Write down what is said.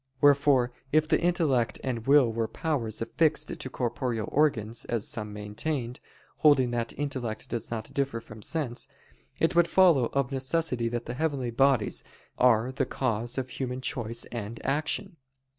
Wherefore if the intellect and will were powers affixed to corporeal organs, as some maintained, holding that intellect does not differ from sense; it would follow of necessity that the heavenly bodies are the cause of human choice and action.